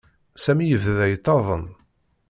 Sami yebda yettaḍen.